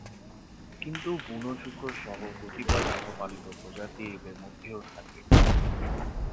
কিন্তু বুনো শূকর সহ কতিপয় গৃহপালিত প্রজাতি এদের মধ্যেও থাকে।